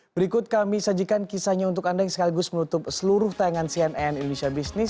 berikut kami sajikan kisahnya untuk anda yang sekaligus menutup seluruh tayangan cnn indonesia business